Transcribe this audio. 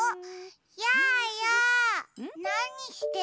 やーやなにしてるの？